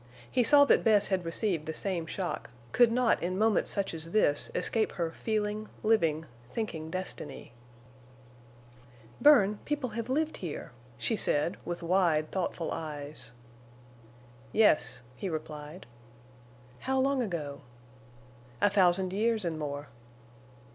He saw that Bess had received the same shock—could not in moments such as this escape her feeling living, thinking destiny. "Bern, people have lived here," she said, with wide, thoughtful eyes. "Yes," he replied. "How long ago?" "A thousand years and more."